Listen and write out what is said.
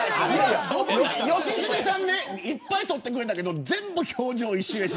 良純さんいっぱい撮ってくれたけど全部、表情一緒です。